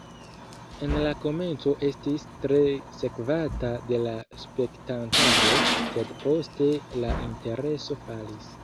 En la komenco estis tre sekvata de la spektantaro, sed poste la intereso falis.